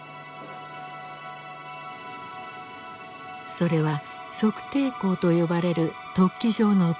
それは測定口と呼ばれる突起状の部分。